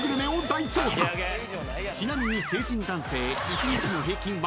［ちなみに］